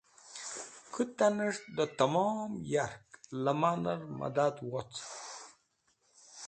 Kũtanẽs̃h dẽ tẽmom yark lemanẽr mẽdad wocẽn.